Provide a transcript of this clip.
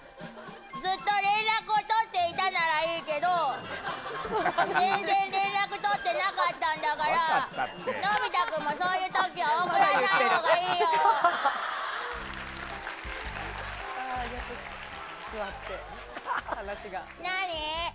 ずっと連絡を取っていたならいいけど、全然連絡取ってなかったんだから、のび太君もそういうときは送らないほうがいいよ。何？